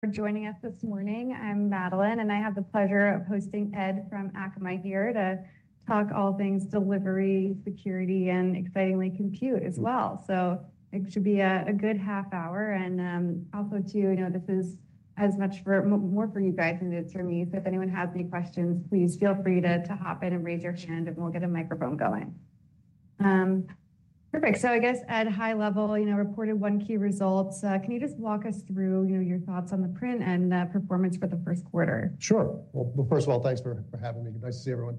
For joining us this morning. I'm Madeline, and I have the pleasure of hosting Ed from Akamai here to talk all things delivery, security, and excitingly compute as well. So it should be a good half hour. And also, too, you know, this is as much for you guys as it is for me. So if anyone has any questions, please feel free to hop in and raise your hand, and we'll get a microphone going. Perfect. So I guess at a high level, you know, reported Q1 key results. Can you just walk us through, you know, your thoughts on the print and performance for the first quarter? Sure. Well, first of all, thanks for having me. Nice to see everyone.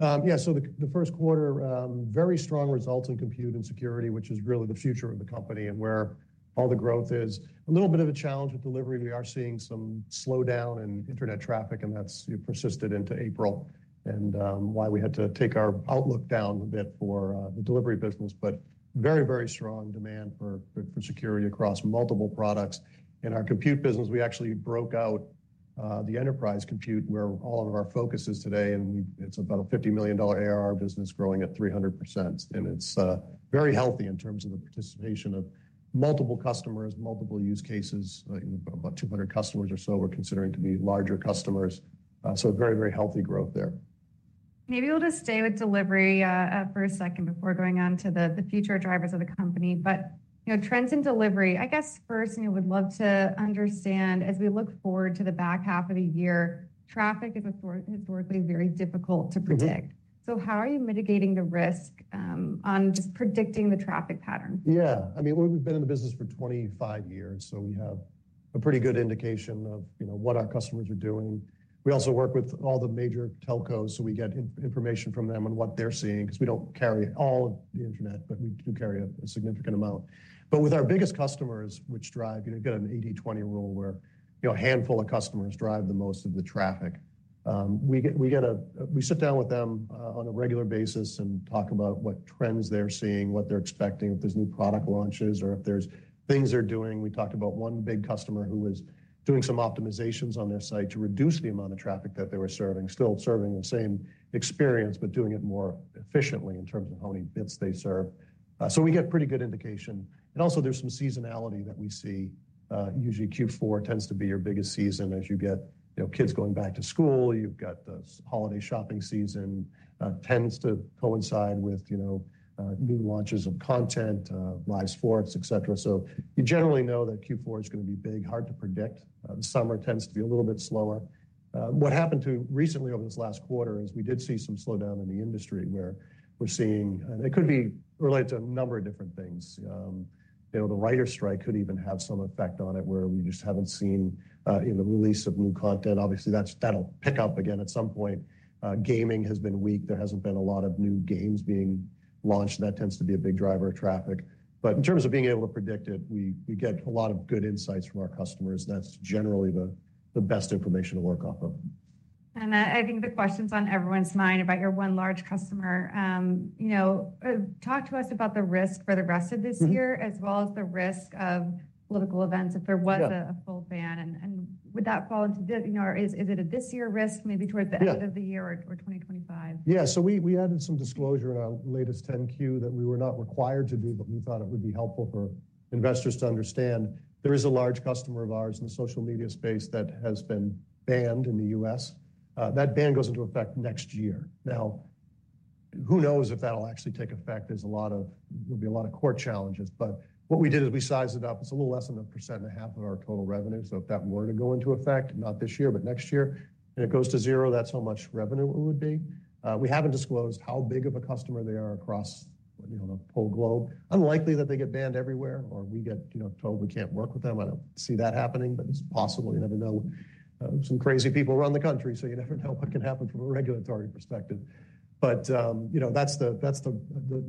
Yeah. So the first quarter, very strong results in compute and security, which is really the future of the company and where all the growth is. A little bit of a challenge with delivery. We are seeing some slowdown in internet traffic, and that's persisted into April and why we had to take our outlook down a bit for the delivery business. But very, very strong demand for security across multiple products. In our compute business, we actually broke out the enterprise compute where all of our focus is today. It's about a $50 million ARR business growing at 300%. And it's very healthy in terms of the participation of multiple customers, multiple use cases. About 200 customers or so we're considering to be larger customers. So very, very healthy growth there. Maybe we'll just stay with delivery for a second before going on to the future drivers of the company. But trends in delivery, I guess first, we would love to understand as we look forward to the back half of the year. Traffic is historically very difficult to predict. So how are you mitigating the risk on just predicting the traffic pattern? Yeah. I mean, we've been in the business for 25 years, so we have a pretty good indication of what our customers are doing. We also work with all the major telcos, so we get information from them on what they're seeing because we don't carry all of the internet, but we do carry a significant amount. But with our biggest customers, which drive, you know, you've got an 80/20 rule where, you know, a handful of customers drive the most of the traffic. We sit down with them on a regular basis and talk about what trends they're seeing, what they're expecting, if there's new product launches or if there's things they're doing. We talked about one big customer who was doing some optimizations on their site to reduce the amount of traffic that they were serving, still serving the same experience, but doing it more efficiently in terms of how many bits they serve. So we get pretty good indication. And also there's some seasonality that we see. Usually Q4 tends to be your biggest season as you get, you know, kids going back to school. You've got the holiday shopping season tends to coincide with, you know, new launches of content, live sports, et cetera. So you generally know that Q4 is going to be big, hard to predict. The summer tends to be a little bit slower. What happened recently over this last quarter is we did see some slowdown in the industry where we're seeing, and it could be related to a number of different things. You know, the Writers' Strike could even have some effect on it where we just haven't seen the release of new content. Obviously, that'll pick up again at some point. Gaming has been weak. There hasn't been a lot of new games being launched. That tends to be a big driver of traffic. But in terms of being able to predict it, we get a lot of good insights from our customers. That's generally the best information to work off of. And I think the question's on everyone's mind about your one large customer. You know, talk to us about the risk for the rest of this year as well as the risk of political events if there was a full ban. And would that fall into, you know, or is it a this year risk maybe towards the end of the year or 2025? Yeah. So we added some disclosure in our latest 10-Q that we were not required to do, but we thought it would be helpful for investors to understand. There is a large customer of ours in the social media space that has been banned in the U.S. That ban goes into effect next year. Now, who knows if that'll actually take effect? There's a lot of, there'll be a lot of court challenges. But what we did is we sized it up. It's a little less than 1.5% of our total revenue. So if that were to go into effect, not this year, but next year, and it goes to zero, that's how much revenue it would be. We haven't disclosed how big of a customer they are across, you know, the whole globe. Unlikely that they get banned everywhere or we get, you know, told we can't work with them. I don't see that happening, but it's possible. You never know. Some crazy people run the country, so you never know what can happen from a regulatory perspective. But, you know, that's the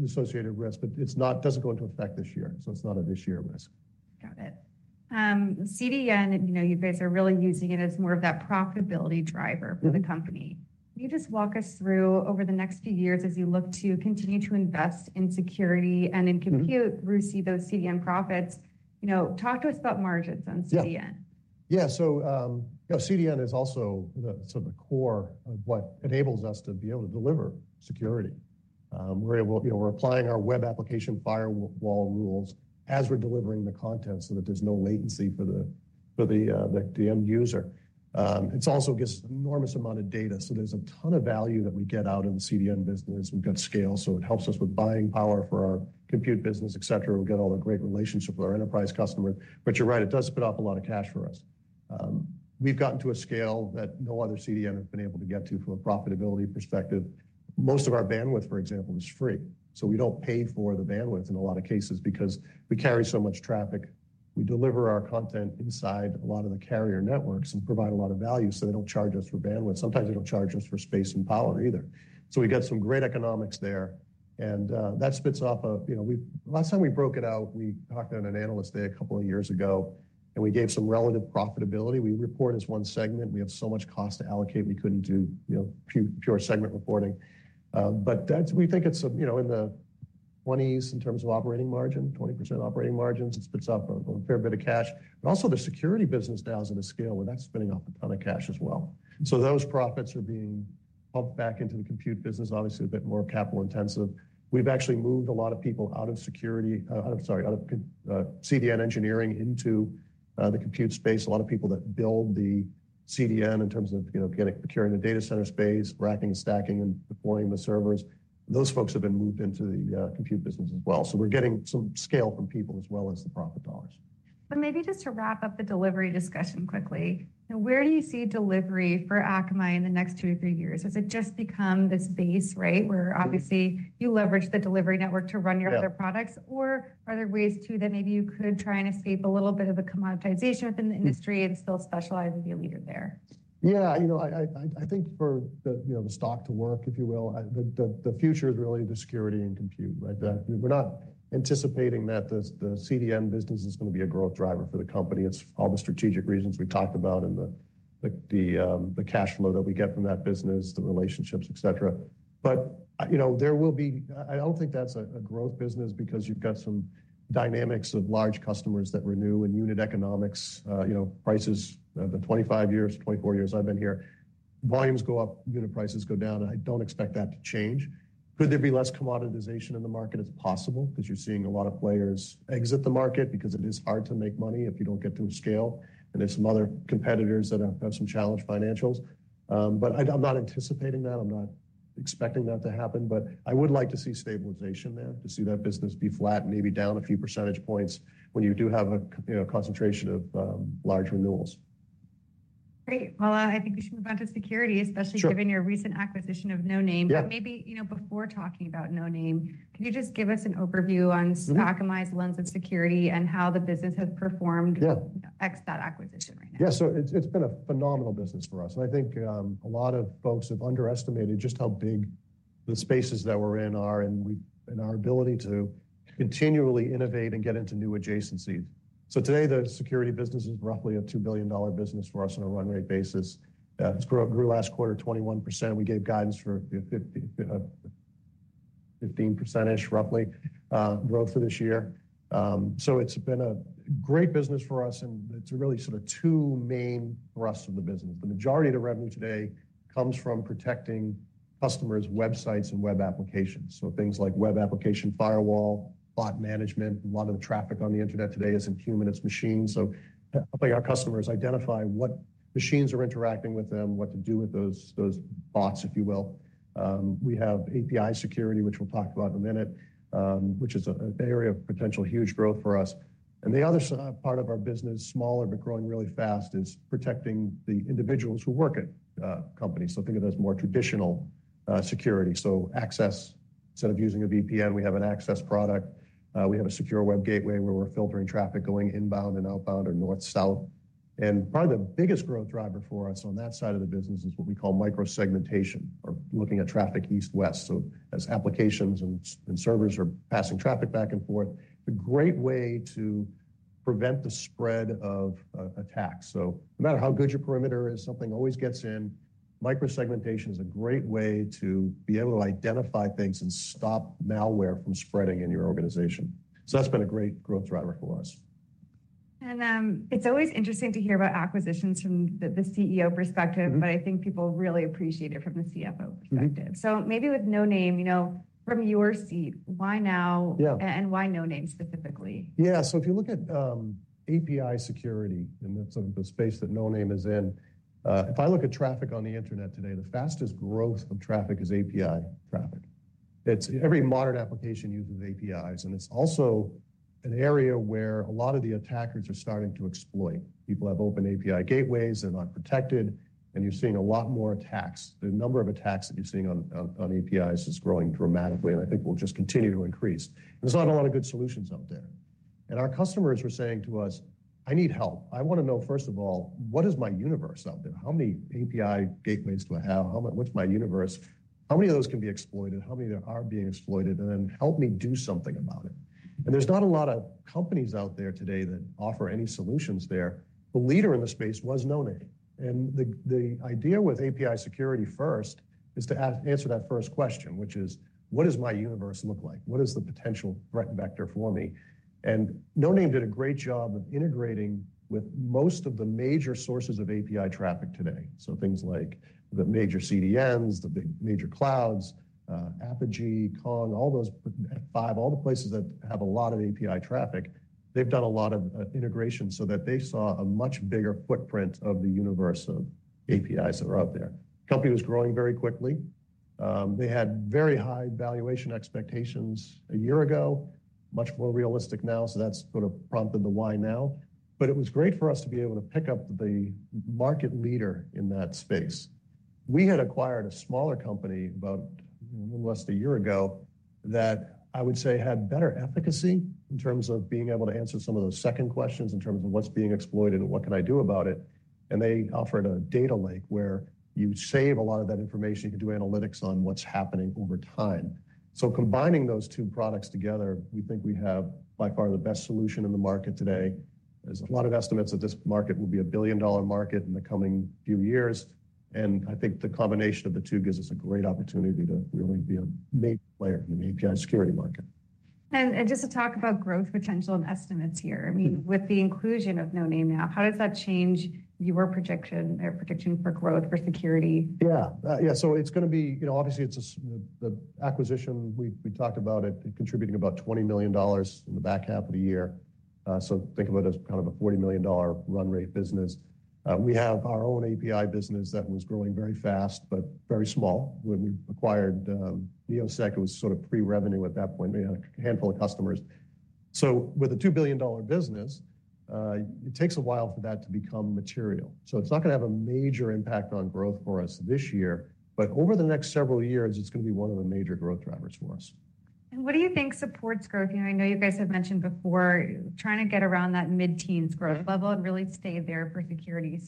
associated risk, but it doesn't go into effect this year. So it's not a this year risk. Got it. CDN, you know, you guys are really using it as more of that profitability driver for the company. Can you just walk us through over the next few years as you look to continue to invest in security and in compute through CDN profits? You know, talk to us about margins on CDN? Yeah. Yeah. So, you know, CDN is also sort of the core of what enables us to be able to deliver security. We're able, you know, we're applying our web application firewall rules as we're delivering the content so that there's no latency for the end user. It also gives an enormous amount of data. So there's a ton of value that we get out of the CDN business. We've got scale, so it helps us with buying power for our compute business, et cetera. We've got all the great relationships with our enterprise customers. But you're right, it does spit off a lot of cash for us. We've gotten to a scale that no other CDN has been able to get to from a profitability perspective. Most of our bandwidth, for example, is free. So we don't pay for the bandwidth in a lot of cases because we carry so much traffic. We deliver our content inside a lot of the carrier networks and provide a lot of value. So they don't charge us for bandwidth. Sometimes they don't charge us for space and power either. So we got some great economics there. And that spits off a, you know, last time we broke it out, we talked to an analyst a couple of years ago, and we gave some relative profitability. We report as one segment. We have so much cost to allocate. We couldn't do, you know, pure segment reporting. But we think it's, you know, in the 20s in terms of operating margin, 20% operating margins, it spits off a fair bit of cash. But also the security business now is at a scale where that's spinning off a ton of cash as well. So those profits are being pumped back into the compute business, obviously a bit more capital intensive. We've actually moved a lot of people out of security, sorry, out of CDN engineering into the compute space. A lot of people that build the CDN in terms of, you know, procuring the data center space, racking and stacking and deploying the servers. Those folks have been moved into the compute business as well. So we're getting some scale from people as well as the profit dollars. But maybe just to wrap up the delivery discussion quickly, where do you see delivery for Akamai in the next two to three years? Has it just become this base, right, where obviously you leverage the delivery network to run your other products, or are there ways too that maybe you could try and escape a little bit of the commoditization within the industry and still specialize as a leader there? Yeah. You know, I think for the, you know, the stock to work, if you will, the future is really the security and compute, right? We're not anticipating that the CDN business is going to be a growth driver for the company. It's all the strategic reasons we talked about and the cash flow that we get from that business, the relationships, et cetera. But, you know, there will be, I don't think that's a growth business because you've got some dynamics of large customers that renew and unit economics, you know, prices, the 25 years, 24 years I've been here, volumes go up, unit prices go down, and I don't expect that to change. Could there be less commoditization in the market? It's possible because you're seeing a lot of players exit the market because it is hard to make money if you don't get to a scale. There's some other competitors that have some challenging financials. But I'm not anticipating that. I'm not expecting that to happen. But I would like to see stabilization there, to see that business be flat, maybe down a few percentage points when you do have a concentration of large renewals. Great. Well, I think we should move on to security, especially given your recent acquisition of Noname. But maybe, you know, before talking about Noname, can you just give us an overview on Akamai's lens of security and how the business has performed ex that acquisition right now? Yeah. So it's been a phenomenal business for us. And I think a lot of folks have underestimated just how big the spaces that we're in are and our ability to continually innovate and get into new adjacencies. So today the security business is roughly a $2 billion business for us on a run rate basis. It grew last quarter 21%. We gave guidance for 15%-ish roughly growth for this year. So it's been a great business for us, and it's really sort of two main thrusts of the business. The majority of the revenue today comes from protecting customers' websites and web applications. So things like web application firewall, bot management. A lot of the traffic on the internet today isn't human. It's machines. So helping our customers identify what machines are interacting with them, what to do with those bots, if you will. We have API security, which we'll talk about in a minute, which is an area of potential huge growth for us. The other part of our business, smaller but growing really fast, is protecting the individuals who work at companies. Think of it as more traditional security. Access, instead of using a VPN, we have an access product. We have a secure web gateway where we're filtering traffic going inbound and outbound or north-south. Probably the biggest growth driver for us on that side of the business is what we call micro-segmentation or looking at traffic east-west. As applications and servers are passing traffic back and forth, a great way to prevent the spread of attacks. No matter how good your perimeter is, something always gets in. Micro-segmentation is a great way to be able to identify things and stop malware from spreading in your organization. So that's been a great growth driver for us. It's always interesting to hear about acquisitions from the CEO perspective, but I think people really appreciate it from the CFO perspective. So maybe with Noname, you know, from your seat, why now and why Noname specifically? Yeah. So if you look at API security and that's sort of the space that Noname is in, if I look at traffic on the internet today, the fastest growth of traffic is API traffic. It's every modern application uses APIs, and it's also an area where a lot of the attackers are starting to exploit. People have open API gateways. They're not protected, and you're seeing a lot more attacks. The number of attacks that you're seeing on APIs is growing dramatically, and I think will just continue to increase. And there's not a lot of good solutions out there. And our customers were saying to us, "I need help. I want to know, first of all, what is my universe out there? How many API gateways do I have? What's my universe? How many of those can be exploited? How many are being exploited? “And then help me do something about it.” There's not a lot of companies out there today that offer any solutions there. The leader in the space was Noname. The idea with API security first is to answer that first question, which is, what does my universe look like? What is the potential threat vector for me? Noname did a great job of integrating with most of the major sources of API traffic today. So things like the major CDNs, the major clouds, Apigee, Kong, all those five, all the places that have a lot of API traffic, they've done a lot of integration so that they saw a much bigger footprint of the universe of APIs that are out there. The company was growing very quickly. They had very high valuation expectations a year ago, much more realistic now. So that's sort of prompted the why now. But it was great for us to be able to pick up the market leader in that space. We had acquired a smaller company about less than a year ago that I would say had better efficacy in terms of being able to answer some of those second questions in terms of what's being exploited and what can I do about it. And they offered a data lake where you save a lot of that information. You can do analytics on what's happening over time. So combining those two products together, we think we have by far the best solution in the market today. There's a lot of estimates that this market will be a billion-dollar market in the coming few years. I think the combination of the two gives us a great opportunity to really be a major player in the API security market. Just to talk about growth potential and estimates here, I mean, with the inclusion of Noname now, how does that change your prediction or prediction for growth for security? Yeah. Yeah. So it's going to be, you know, obviously it's the acquisition. We talked about it contributing about $20 million in the back half of the year. So think of it as kind of a $40 million run rate business. We have our own API business that was growing very fast, but very small. When we acquired Neosec, it was sort of pre-revenue at that point. We had a handful of customers. So with a $2 billion business, it takes a while for that to become material. So it's not going to have a major impact on growth for us this year, but over the next several years, it's going to be one of the major growth drivers for us. What do you think supports growth? You know, I know you guys have mentioned before trying to get around that mid-teens growth level and really stay there for security.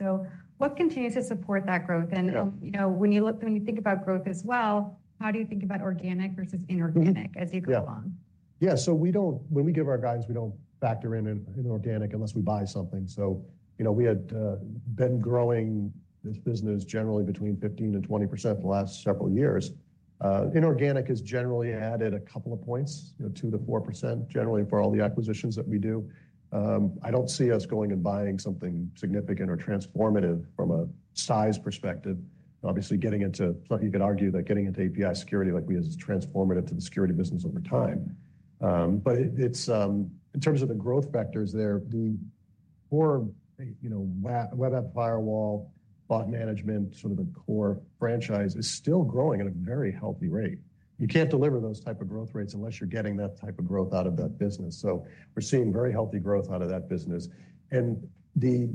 What continues to support that growth? You know, when you think about growth as well, how do you think about organic versus inorganic as you go along? Yeah. So we don't, when we give our guidance, we don't factor in inorganic unless we buy something. So, you know, we had been growing this business generally between 15%-20% the last several years. Inorganic has generally added a couple of points, you know, 2%-4% generally for all the acquisitions that we do. I don't see us going and buying something significant or transformative from a size perspective. Obviously, getting into, you could argue that getting into API security like we is transformative to the security business over time. But in terms of the growth vectors there, the core, you know, web app firewall, bot management, sort of the core franchise is still growing at a very healthy rate. You can't deliver those type of growth rates unless you're getting that type of growth out of that business. So we're seeing very healthy growth out of that business. The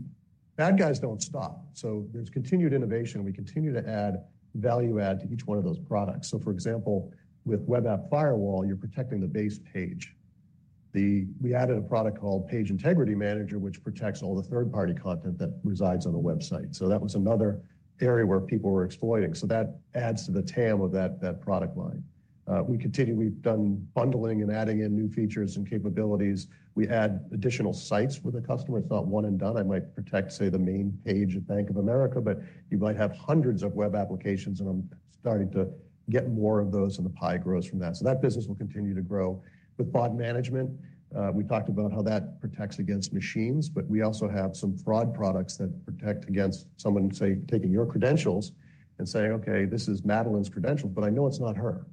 bad guys don't stop. There's continued innovation. We continue to add value add to each one of those products. For example, with web app firewall, you're protecting the base page. We added a product called Page Integrity Manager, which protects all the third-party content that resides on the website. That was another area where people were exploiting. That adds to the TAM of that product line. We continue, we've done bundling and adding in new features and capabilities. We add additional sites with a customer. It's not one and done. I might protect, say, the main page of Bank of America, but you might have hundreds of web applications, and I'm starting to get more of those and the pie grows from that. That business will continue to grow. With bot management, we talked about how that protects against machines, but we also have some fraud products that protect against someone, say, taking your credentials and saying, "Okay, this is Madeleine's credentials, but I know it's not her.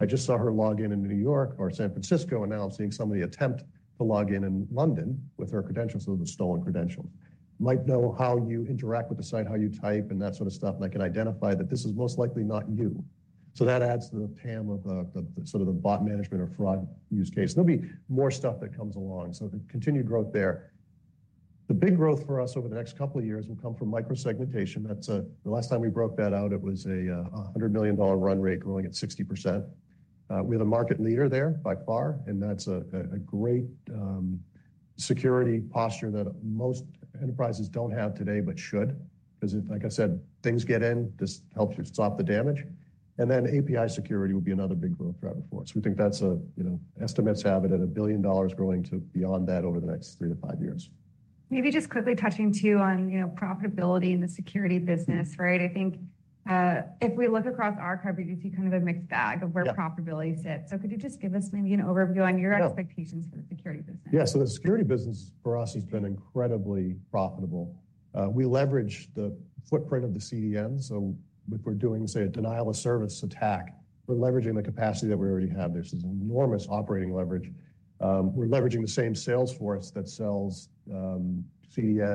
I just saw her log in in New York or San Francisco, and now I'm seeing somebody attempt to log in in London with her credentials." Those are stolen credentials. Might know how you interact with the site, how you type and that sort of stuff, and I can identify that this is most likely not you. So that adds to the TAM of sort of the bot management or fraud use case. There'll be more stuff that comes along. So continued growth there. The big growth for us over the next couple of years will come from micro-segmentation. That's the last time we broke that out. It was a $100 million run rate growing at 60%. We have a market leader there by far, and that's a great security posture that most enterprises don't have today, but should. Because like I said, things get in, this helps you stop the damage. And then API security will be another big growth driver for us. We think that's a, you know, estimates have it at $1 billion growing to beyond that over the next 3-5 years. Maybe just quickly touching too on, you know, profitability in the security business, right? I think if we look across our company, you see kind of a mixed bag of where profitability sits. Could you just give us maybe an overview on your expectations for the security business? Yeah. So the security business for us has been incredibly profitable. We leverage the footprint of the CDN. So if we're doing, say, a denial of service attack, we're leveraging the capacity that we already have. There's this enormous operating leverage. We're leveraging the same sales force that sells CDN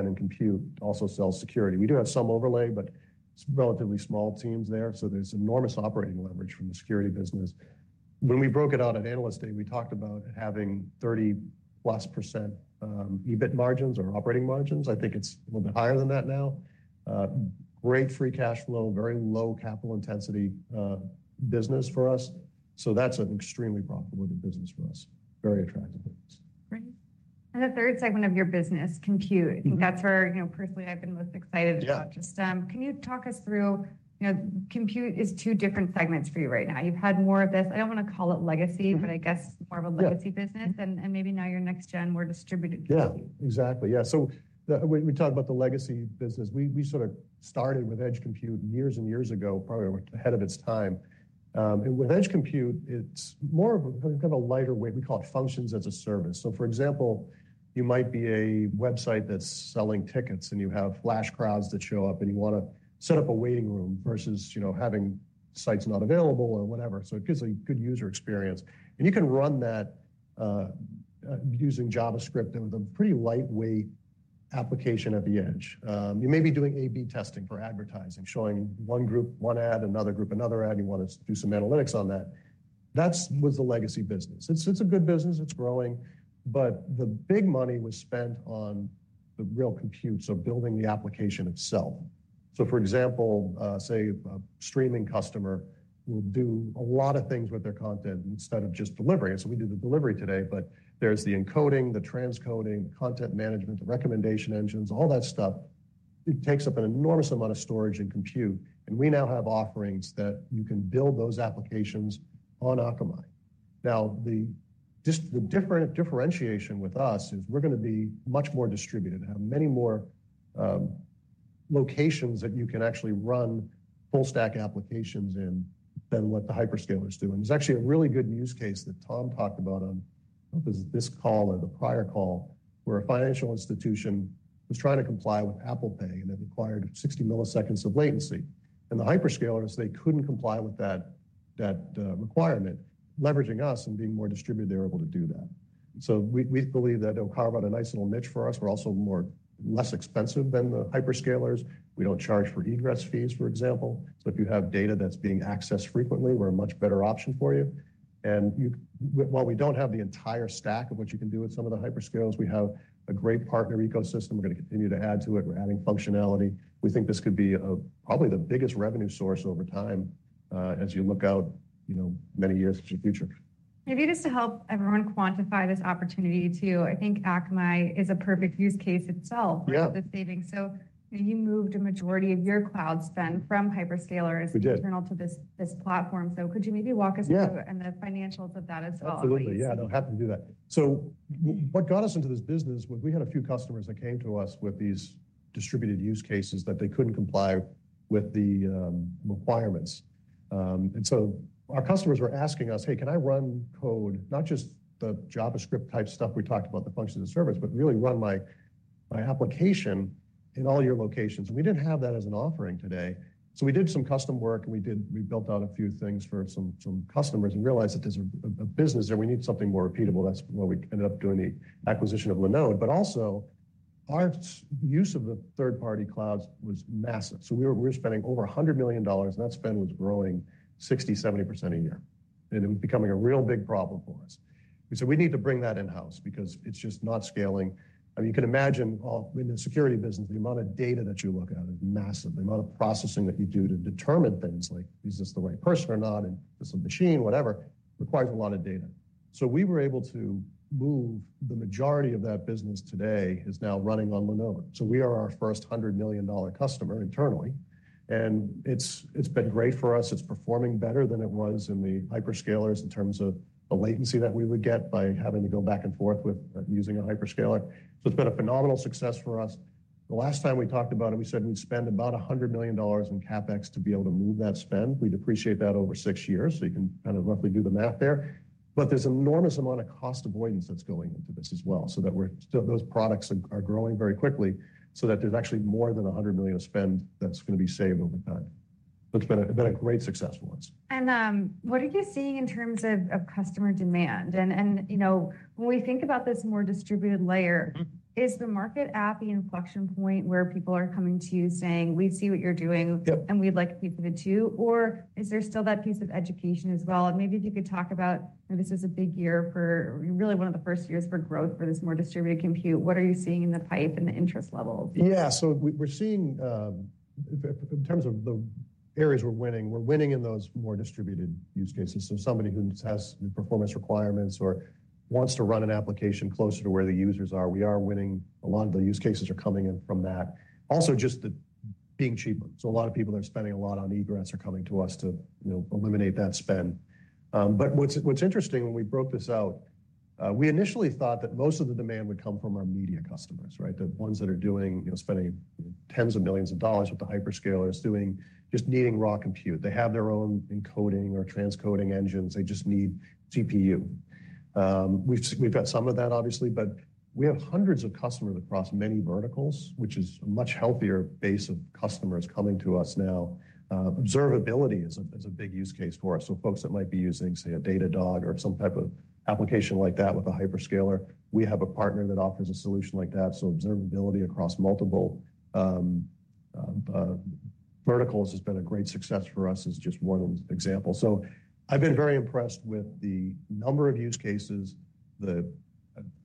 and compute, also sells security. We do have some overlay, but it's relatively small teams there. So there's enormous operating leverage from the security business. When we broke it out at Analyst Day, we talked about having 30%+ EBIT margins or operating margins. I think it's a little bit higher than that now. Great free cash flow, very low capital intensity business for us. So that's an extremely profitable business for us. Very attractive business. Great. And the third segment of your business, compute, I think that's where, you know, personally I've been most excited about. Just, can you talk us through, you know, compute is two different segments for you right now. You've had more of this, I don't want to call it legacy, but I guess more of a legacy business and maybe now your next-gen more distributed. Yeah, exactly. Yeah. So we talked about the legacy business. We sort of started with edge compute years and years ago, probably ahead of its time. And with edge compute, it's more of a kind of a lighter weight. We call it functions as a service. So for example, you might be a website that's selling tickets and you have flash crowds that show up and you want to set up a waiting room versus, you know, having sites not available or whatever. So it gives a good user experience. And you can run that using JavaScript with a pretty lightweight application at the edge. You may be doing A/B testing for advertising, showing one group one ad, another group another ad. You want to do some analytics on that. That was the legacy business. It's a good business. It's growing. The big money was spent on the real compute, so building the application itself. For example, say a streaming customer will do a lot of things with their content instead of just delivering. We do the delivery today, but there's the encoding, the transcoding, the content management, the recommendation engines, all that stuff. It takes up an enormous amount of storage and compute. We now have offerings that you can build those applications on Akamai. Now, the different differentiation with us is we're going to be much more distributed and have many more locations that you can actually run full-stack applications in than what the hyperscalers do. There's actually a really good use case that Tom talked about on this call or the prior call where a financial institution was trying to comply with Apple Pay and it required 60 milliseconds of latency. The hyperscalers, they couldn't comply with that requirement. Leveraging us and being more distributed, they were able to do that. So we believe that it'll carve out a nice little niche for us. We're also much less expensive than the hyperscalers. We don't charge for egress fees, for example. So if you have data that's being accessed frequently, we're a much better option for you. And while we don't have the entire stack of what you can do with some of the hyperscalers, we have a great partner ecosystem. We're going to continue to add to it. We're adding functionality. We think this could be probably the biggest revenue source over time as you look out, you know, many years into the future. Maybe just to help everyone quantify this opportunity too, I think Akamai is a perfect use case itself for the savings. So you moved a majority of your cloud spend from hyperscalers to this platform. So could you maybe walk us through and the financials of that as well? Absolutely. Yeah. I don't have to do that. So what got us into this business was we had a few customers that came to us with these distributed use cases that they couldn't comply with the requirements. And so our customers were asking us, "Hey, can I run code, not just the JavaScript type stuff we talked about, the Functions as a Service, but really run my application in all your locations?" And we didn't have that as an offering today. So we did some custom work and we built out a few things for some customers and realized that there's a business there. We need something more repeatable. That's why we ended up doing the acquisition of Linode. But also our use of the third-party clouds was massive. So we were spending over $100 million and that spend was growing 60%-70% a year. It was becoming a real big problem for us. We said we need to bring that in-house because it's just not scaling. I mean, you can imagine in the security business, the amount of data that you look at is massive. The amount of processing that you do to determine things like, "Is this the right person or not? Is this a machine?" Whatever requires a lot of data. So we were able to move the majority of that business today is now running on Linode. So we are our first $100 million customer internally. And it's been great for us. It's performing better than it was in the hyperscalers in terms of the latency that we would get by having to go back and forth with using a hyperscaler. So it's been a phenomenal success for us. The last time we talked about it, we said we'd spend about $100 million in CapEx to be able to move that spend. We'd appreciate that over six years. So you can kind of roughly do the math there. But there's an enormous amount of cost avoidance that's going into this as well so that those products are growing very quickly so that there's actually more than $100 million of spend that's going to be saved over time. So it's been a great success for us. What are you seeing in terms of customer demand? You know, when we think about this more distributed layer, is the market at the inflection point where people are coming to you saying, "We see what you're doing and we'd like to do"? Or is there still that piece of education as well? Maybe if you could talk about, this was a big year for, really one of the first years for growth for this more distributed compute, what are you seeing in the pipe and the interest levels? Yeah. So we're seeing in terms of the areas we're winning, we're winning in those more distributed use cases. So somebody who has performance requirements or wants to run an application closer to where the users are, we are winning. A lot of the use cases are coming in from that. Also just being cheaper. So a lot of people are spending a lot on egress or coming to us to, you know, eliminate that spend. But what's interesting when we broke this out, we initially thought that most of the demand would come from our media customers, right? The ones that are doing, you know, spending $10s of millions with the hyperscalers doing just needing raw compute. They have their own encoding or transcoding engines. They just need CPU. We've got some of that obviously, but we have hundreds of customers across many verticals, which is a much healthier base of customers coming to us now. Observability is a big use case for us. So folks that might be using, say, a Datadog or some type of application like that with a hyperscaler, we have a partner that offers a solution like that. So observability across multiple verticals has been a great success for us is just one example. So I've been very impressed with the number of use cases, the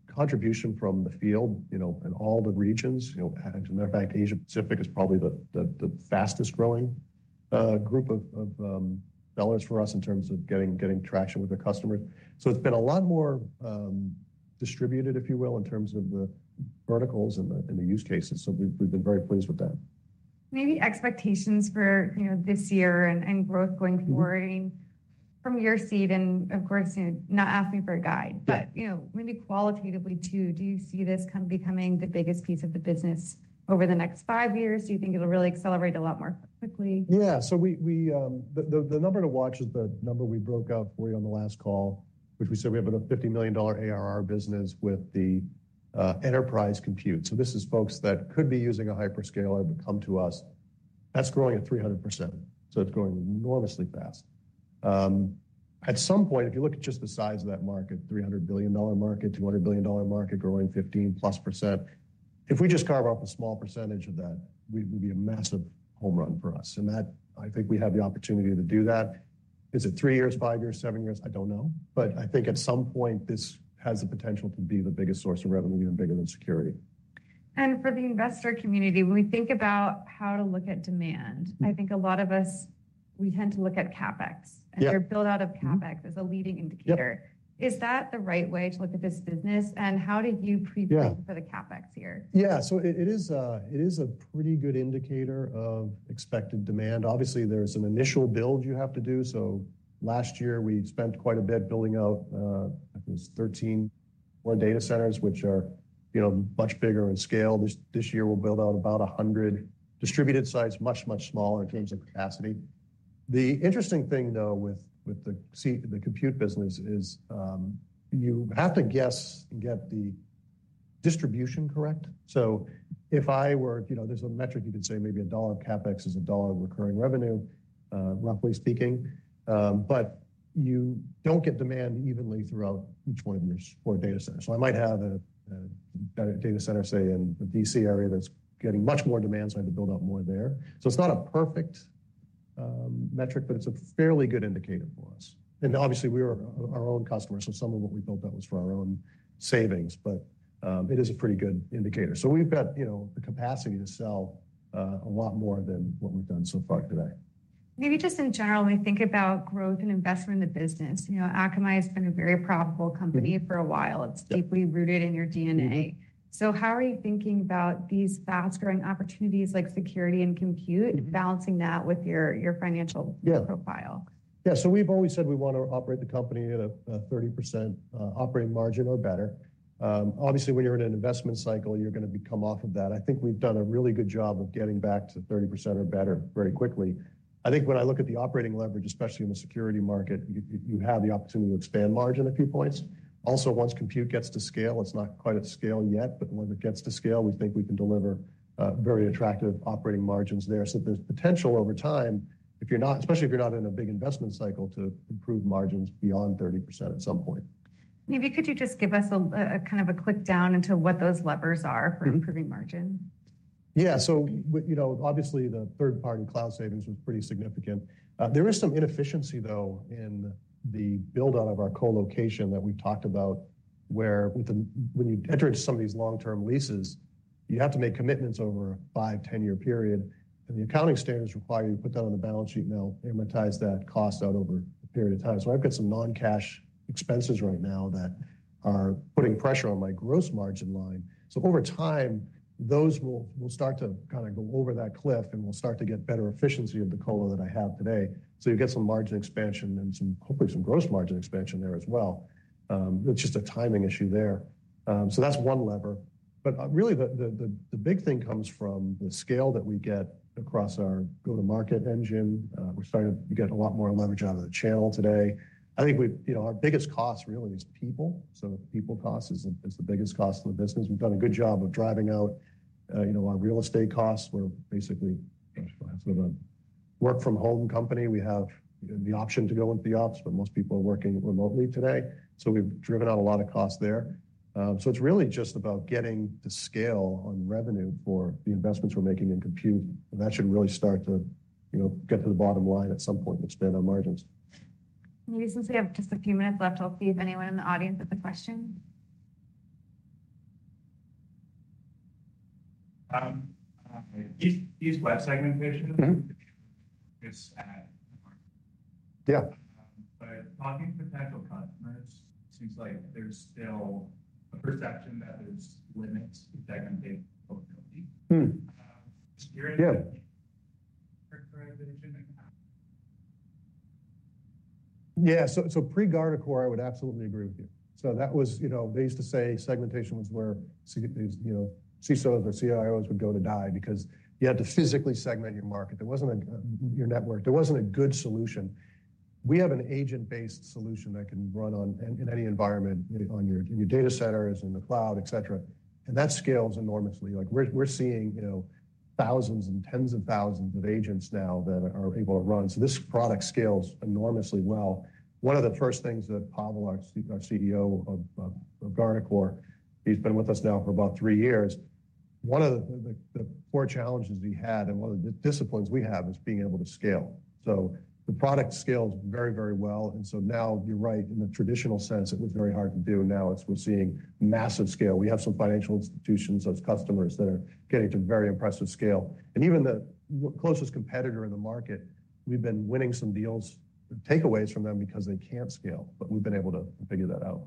contribution from the field, you know, in all the regions. You know, as a matter of fact, Asia Pacific is probably the fastest growing group of sellers for us in terms of getting traction with our customers. So it's been a lot more distributed, if you will, in terms of the verticals and the use cases. We've been very pleased with that. Maybe expectations for, you know, this year and growth going forward from your seat and of course, you know, not asking for a guide, but, you know, maybe qualitatively too, do you see this becoming the biggest piece of the business over the next five years? Do you think it'll really accelerate a lot more quickly? Yeah. So the number to watch is the number we broke out for you on the last call, which we said we have a $50 million ARR business with the enterprise compute. So this is folks that could be using a hyperscaler but come to us. That's growing at 300%. So it's growing enormously fast. At some point, if you look at just the size of that market, $300 billion market, $200 billion market growing 15%+, if we just carve off a small percentage of that, we'd be a massive home run for us. And that, I think we have the opportunity to do that. Is it 3 years, 5 years, 7 years? I don't know. But I think at some point this has the potential to be the biggest source of revenue and bigger than security. For the investor community, when we think about how to look at demand, I think a lot of us, we tend to look at CapEx. Your build-out of CapEx is a leading indicator. Is that the right way to look at this business? And how do you prepare for the CapEx here? Yeah. So it is a pretty good indicator of expected demand. Obviously, there's an initial build you have to do. So last year we spent quite a bit building out, I think it was 13 more data centers, which are, you know, much bigger in scale. This year we'll build out about 100 distributed sites, much, much smaller in terms of capacity. The interesting thing though with the compute business is you have to guess and get the distribution correct. So if I were, you know, there's a metric you could say maybe a dollar of CapEx is a dollar of recurring revenue, roughly speaking. But you don't get demand evenly throughout each one of your core data centers. So I might have a data center, say, in the D.C. area that's getting much more demand. So I have to build out more there. So it's not a perfect metric, but it's a fairly good indicator for us. And obviously we were our own customer. So some of what we built out was for our own savings. But it is a pretty good indicator. So we've got, you know, the capacity to sell a lot more than what we've done so far today. Maybe just in general, when we think about growth and investment in the business, you know, Akamai has been a very profitable company for a while. It's deeply rooted in your DNA. So how are you thinking about these fast-growing opportunities like security and compute, balancing that with your financial profile? Yeah. So we've always said we want to operate the company at a 30% operating margin or better. Obviously, when you're in an investment cycle, you're going to come off of that. I think we've done a really good job of getting back to 30% or better very quickly. I think when I look at the operating leverage, especially in the security market, you have the opportunity to expand margin a few points. Also, once compute gets to scale, it's not quite at scale yet, but when it gets to scale, we think we can deliver very attractive operating margins there. So there's potential over time if you're not, especially if you're not in a big investment cycle to improve margins beyond 30% at some point. Maybe could you just give us a kind of a drill down into what those levers are for improving margin? Yeah. So, you know, obviously the third-party cloud savings was pretty significant. There is some inefficiency though in the build-out of our co-location that we've talked about where when you enter into some of these long-term leases, you have to make commitments over a 5- or 10-year period. And the accounting standards require you to put that on the balance sheet and amortize that cost out over a period of time. So I've got some non-cash expenses right now that are putting pressure on my gross margin line. So over time, those will start to kind of go over that cliff and we'll start to get better efficiency of the co-lo that I have today. So you get some margin expansion and hopefully some gross margin expansion there as well. It's just a timing issue there. So that's one lever. But really the big thing comes from the scale that we get across our go-to-market engine. We're starting to get a lot more leverage out of the channel today. I think our biggest cost really is people. So people cost is the biggest cost of the business. We've done a good job of driving out, you know, our real estate costs. We're basically sort of a work-from-home company. We have the option to go into the office, but most people are working remotely today. So we've driven out a lot of costs there. So it's really just about getting to scale on revenue for the investments we're making in compute. And that should really start to, you know, get to the bottom line at some point to expand our margins. Maybe since we have just a few minutes left, I'll see if anyone in the audience has a question. These micro-segmentation. Yeah. Talking to potential customers, it seems like there's still a perception that there's limits that can take scalability. Yeah. Yeah. So pre-Guardicore, I would absolutely agree with you. So that was, you know, they used to say segmentation was where CISOs or CIOs would go to die because you had to physically segment your network. There wasn't a good network. There wasn't a good solution. We have an agent-based solution that can run on any environment on your data centers, in the cloud, et cetera. And that scales enormously. Like we're seeing, you know, thousands and tens of thousands of agents now that are able to run. So this product scales enormously well. One of the first things that Pavel, our CEO of Guardicore, he's been with us now for about three years. One of the core challenges we had and one of the disciplines we have is being able to scale. So the product scales very, very well. And so now you're right, in the traditional sense, it was very hard to do. Now we're seeing massive scale. We have some financial institutions as customers that are getting to very impressive scale. And even the closest competitor in the market, we've been winning some deals, takeaways from them because they can't scale, but we've been able to figure that out.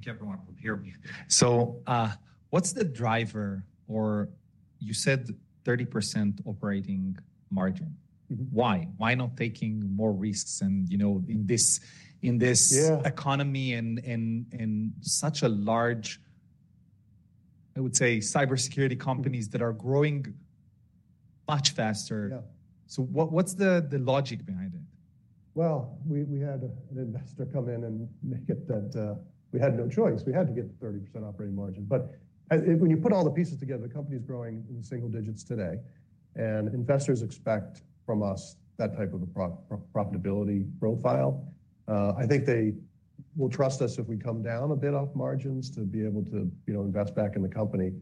I think everyone will hear me. So what's the driver or you said 30% operating margin. Why? Why not taking more risks and, you know, in this economy and such a large, I would say, cybersecurity companies that are growing much faster? So what's the logic behind it? Well, we had an investor come in and make it that we had no choice. We had to get the 30% operating margin. But when you put all the pieces together, the company's growing in single digits today. And investors expect from us that type of a profitability profile. I think they will trust us if we come down a bit off margins to be able to, you know, invest back in the company.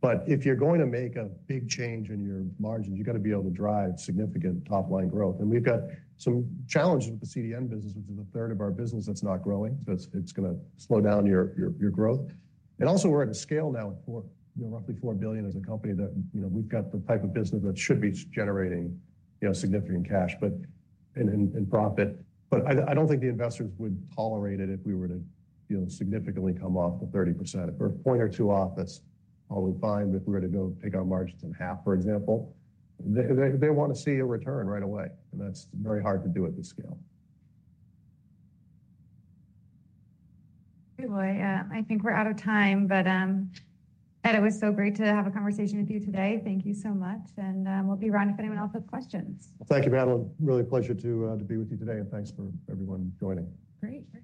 But if you're going to make a big change in your margins, you've got to be able to drive significant top-line growth. And we've got some challenges with the CDN business, which is a third of our business that's not growing. So it's going to slow down your growth. Also, we're at a scale now of roughly $4 billion as a company that, you know, we've got the type of business that should be generating, you know, significant cash and profit. But I don't think the investors would tolerate it if we were to, you know, significantly come off the 30%. If we're a point or two off, that's probably fine. But if we were to go take our margins in half, for example, they want to see a return right away. And that's very hard to do at this scale. Hey, boy. I think we're out of time, but Ed, it was so great to have a conversation with you today. Thank you so much. We'll be around if anyone else has questions. Well, thank you, Madeline. Really a pleasure to be with you today. Thanks for everyone joining. Great.